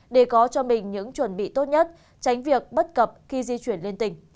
để có cho mình những chuẩn bị tốt nhất tránh việc bất cập khi di chuyển lên tỉnh